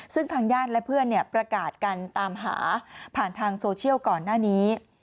ซึ่งทางญาติและเพื่อนประกาศกันตามหาผ่านทางโซเชียลก่อนหน้านี้